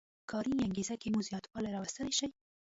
کاري انګېزه کې مو زیاتوالی راوستلی شي.